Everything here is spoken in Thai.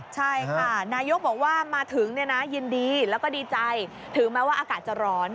ใช่ค่ะนายกบอกว่ามาถึงเนี่ยนะยินดีแล้วก็ดีใจถึงแม้ว่าอากาศจะร้อน